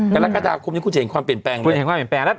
กรกฎาคมนี้คุณจะเห็นความเปลี่ยนแปลงไหม